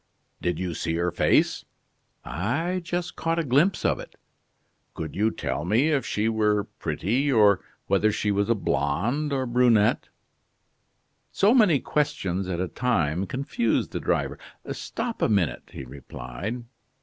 "Did you see her face?" "I just caught a glimpse of it." "Could you tell if she were pretty, or whether she was a blonde or brunette?" So many questions at a time confused the driver. "Stop a minute!" he replied.